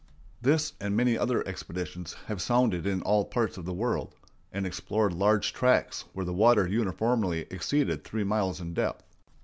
] This and many other expeditions have sounded in all parts of the world, and explored large tracts where the water uniformly exceeded three miles in depth.